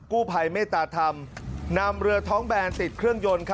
กู้ไพไม่ตาทำนำเรือท้องแบนติดเครื่องยนต์